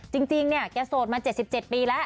จริงเนี่ยแกโสดมา๗๗ปีแล้ว